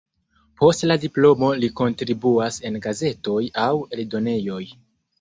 Post la diplomo li kontribuas en gazetoj aŭ eldonejoj.